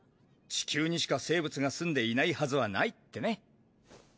地球にしか生物が住んでいないはずはないってね。